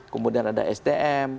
kemudian ada sdm